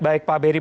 baik pak beri